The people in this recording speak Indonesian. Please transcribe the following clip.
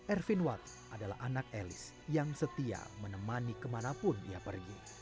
ervin watt adalah anak elis yang setia menemani kemanapun ia pergi